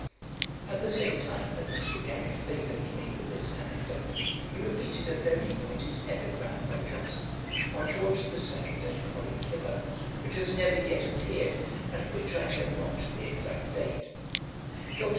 At the same time that Mr. Garrick favoured me with this anecdote, he repeated a very pointed Epigram by Johnson, on George the Second and Colley Cibber, which has never yet appeared, and of which I know not the exact date. Dr.